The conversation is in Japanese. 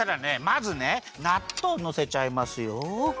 まずねなっとうのせちゃいますよ。